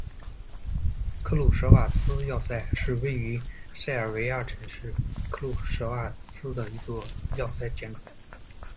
克鲁舍瓦茨要塞是位于塞尔维亚城市克鲁舍瓦茨的一座要塞建筑。